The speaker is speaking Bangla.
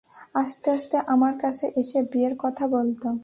আস্তে আস্তে আমার কাছে এসে বিয়ের কথা বলতো।